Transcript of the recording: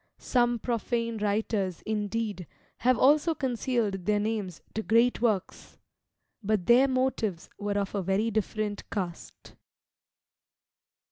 Some profane writers, indeed, have also concealed their names to great works, but their motives were of a very different cast.